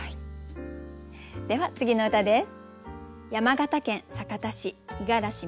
では次の歌です。